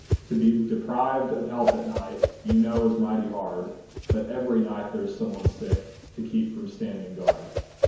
To be deprived of help at night, You know is mighty hard, But every night there's someone sick To keep from standing guard.